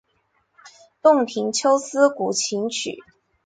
洞庭秋思古琴曲。